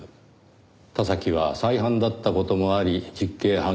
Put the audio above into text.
田崎は再犯だった事もあり実刑判決を受ける。